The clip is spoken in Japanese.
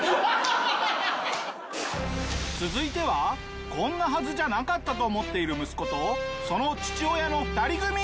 続いては「こんなはずじゃなかった」と思っている息子とその父親の２人組。